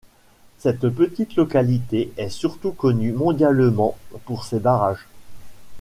Cette petite localité est surtout connue mondialement pour ses barrages.